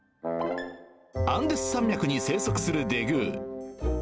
アンデス山脈に生息するデグー。